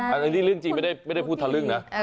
อันนี้เรื่องจริงไม่ได้พูดทะลึ่งนะ